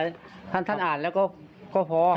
ไม่เป็นไรท่านอ่านแล้วก็พอ